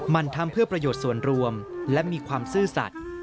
มันทำเพื่อประโยชน์ส่วนรวมและมีความซื่อสัตว์